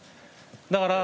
だから。